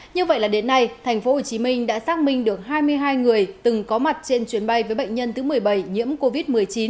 như vậy là đến nay tp hcm đã xác minh được hai mươi hai người từng có mặt trên chuyến bay với bệnh nhân thứ một mươi bảy nhiễm covid một mươi chín